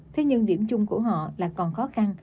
thế nhưng điểm chung của họ là còn khó khăn